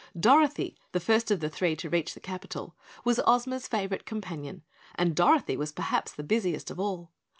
Dorothy, the first of the three to reach the capital, was Ozma's favorite companion, and Dorothy was perhaps the busiest of all.